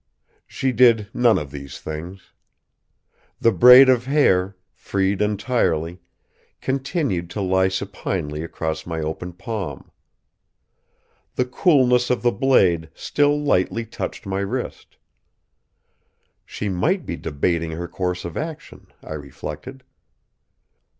She did none of these things. The braid of hair, freed entirely, continued to lie supinely across my open palm. The coolness of the blade still lightly touched my wrist. She might be debating her course of action, I reflected.